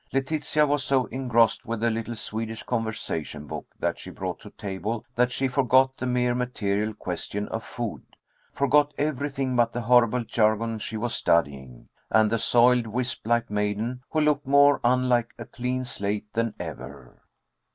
Letitia was so engrossed with a little Swedish conversation book that she brought to table that she forgot the mere material question of food forgot everything but the horrible jargon she was studying, and the soiled, wisp like maiden, who looked more unlike a clean slate than ever.